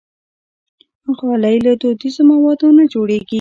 غالۍ له دودیزو موادو نه جوړېږي.